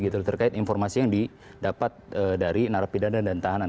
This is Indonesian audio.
terkait informasi yang didapat dari narapidana dan tahanan